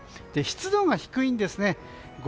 湿度が低いんですね。